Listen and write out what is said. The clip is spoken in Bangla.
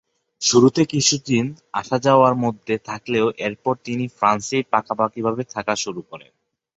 শুরুতে কিছুদিন আসা-যাওয়ার মধ্যে থাকলেও এরপর তিনি ফ্রান্সেই পাকাপাকিভাবে থাকা শুরু করেন।